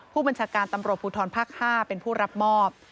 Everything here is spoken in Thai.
ผู้บัญชาการตำรวจภูทรภาค๕เป็นผู้รับมอบ